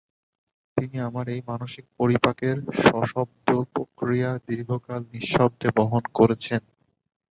তিনি আমার এই মানসিক পরিপাকের সশব্দ প্রক্রিয়া দীর্ঘকাল নিঃশব্দে বহন করেছেন।